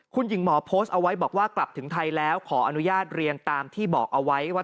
คุณหญิงหมอโพสต์เอาไว้บอกว่ากลับถึงไทยแล้วขออนุญาตเรียนตามที่บอกเอาไว้ว่า